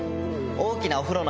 大きなお風呂ね！